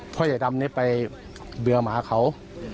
พ่อใหญ่ดำนี้ไปเบื่อหมาเขา